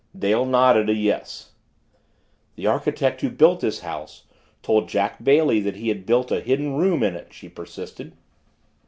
Dale nodded a "Yes." "The architect who built this house told Jack Bailey that he had built a Hidden Room in it," she persisted.